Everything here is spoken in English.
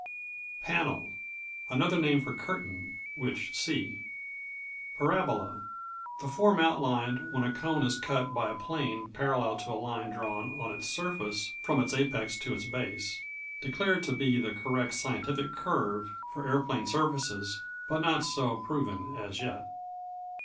P Panel Another name for Curtain which see. Parabola The form outlined when a cone is cut by a plane parallel to a line drawn on its surface from its apex to its base. Declared to be the correct scientific curve for aeroplane surfaces, but not so proven, as yet.